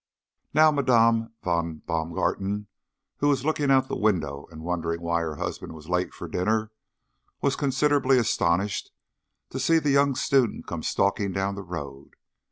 Now, Madame von Baumgarten, who was looking out of the window and wondering why her husband was late for dinner, was considerably astonished to see the young student come stalking down the road.